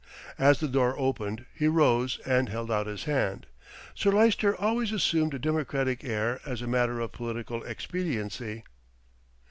As the door opened he rose and held out his hand. Sir Lyster always assumed a democratic air as a matter of political expediency.